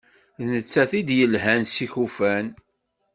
D nettat i d-yelhan s yikufan.